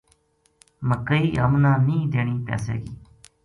مکئی ہمنا نیہہ دینی پیسے گی